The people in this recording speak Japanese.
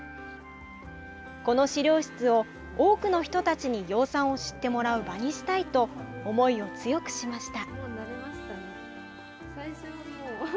この資料室を、多くの人たちに養蚕を知ってもらう場にしたいと思いを強くしました。